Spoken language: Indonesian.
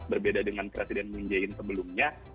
berbeda dengan presiden moon jae in sebelumnya